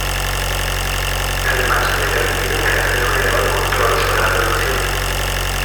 Además le permitieron ejercer un elevado control sobre la producción.